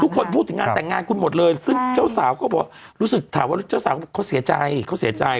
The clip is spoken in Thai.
ทุกคนพูดถึงงานแต่งงานคุณหมดเลยซึ่งเจ้าสาวเขาบอกรู้สึกถามว่าเจ้าสาวเขาบอกเขาเสียใจเขาเสียใจ